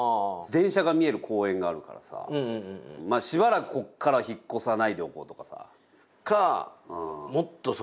電車が見える公園があるからさしばらくここから引っこさないでおこうとかさ。